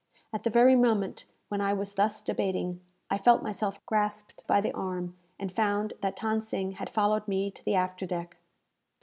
At the very moment when I was thus debating, I felt myself grasped by the arm, and found that Than Sing had followed me to the after deck.